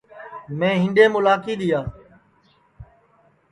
میں ہِیڈؔیم اُلاکی دِؔیا